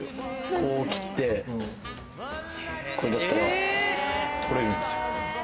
こう切ってこうやってやったら取れるんですよ。